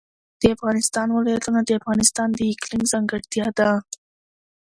د افغانستان ولايتونه د افغانستان د اقلیم ځانګړتیا ده.